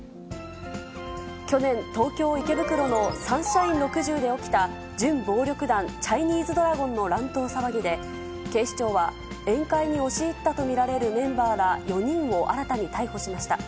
去年、東京・池袋のサンシャイン６０で起きた、準暴力団チャイニーズドラゴンの乱闘騒ぎで、警視庁は、宴会に押し入ったと見られるメンバーら４人を新たに逮捕しました。